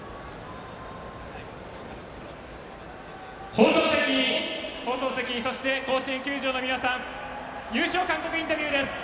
放送席、放送席、そして甲子園球場の皆さん優勝監督インタビューです。